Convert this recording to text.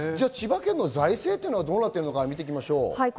千葉県の財政はどうなっているのか見ていきましょう。